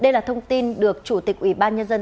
đây là thông tin được chủ tịch ủy ban nhân dân